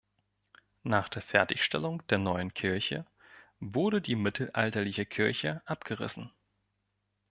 Nach der Fertigstellung der neuen Kirche wurde die mittelalterliche Kirche abgerissen.